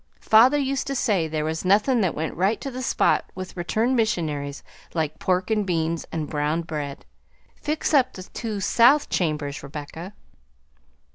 Father used to say there was nothing that went right to the spot with returned missionaries like pork 'n' beans 'n' brown bread. Fix up the two south chambers, Rebecca."